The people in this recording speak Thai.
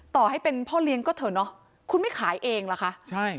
ต่อให้เป็นพ่อเลี้ยงก็เถอะเนอะคุณไม่ขายเองเหรอคะใช่